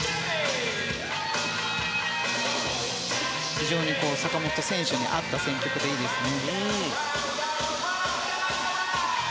非常に坂本選手に合った選曲でいいですね。